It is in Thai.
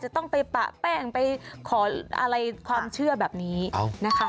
จะต้องไปปะแป้งไปขออะไรความเชื่อแบบนี้นะคะ